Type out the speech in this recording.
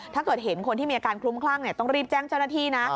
ถ้าเกิดเห็นคนที่มีอาการคลุ้มคลั่งต้องรีบแจ้งเจ้าหน้าที่นะ